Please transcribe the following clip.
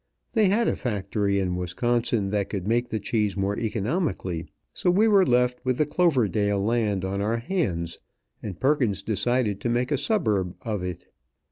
They had a factory in Wisconsin that could make the cheese more economically. So we were left with the Cloverdale land on our hands, and Perkins decided to make a suburb of it.